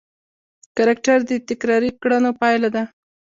کرکټر د تکراري کړنو پایله ده.